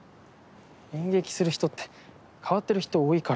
演劇する人って変わってる人多いから。